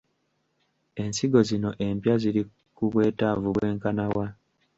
Ensigo zino empya ziri ku bwetaavu bwenkana wa?